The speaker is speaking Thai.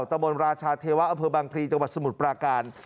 ตะบนราชาเทวะอำเภอบางพลีจังหวัดสมุทรปราการ